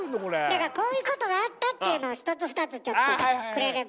だからこういうことがあったっていうのを一つ二つちょっとくれれば。